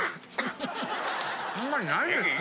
あんまりないですって。